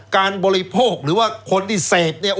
การบิลี้โผลกหรือว่าคนที่เศษเนี่ย